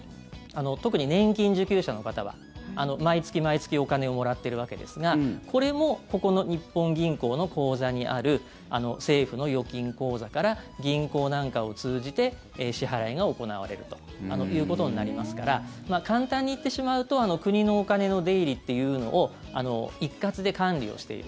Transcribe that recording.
特に年金受給者の方は毎月毎月お金をもらってるわけですがこれもここの日本銀行の口座にある政府の預金口座から銀行なんかを通じて支払いが行われるということになりますから簡単に言ってしまうと国のお金の出入りっていうのを一括で管理をしている。